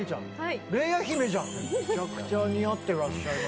めちゃくちゃ似合ってらっしゃいますよ。